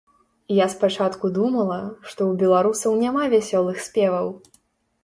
Я спачатку думала, што у беларусаў няма вясёлых спеваў.